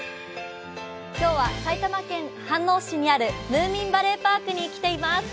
今日は埼玉県飯能市にあるムーミンバレーパークに来ています。